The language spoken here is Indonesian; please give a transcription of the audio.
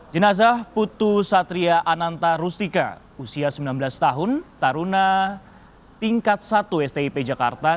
jenazah putu satria ananta rustika usia sembilan belas tahun taruna tingkat satu stip jakarta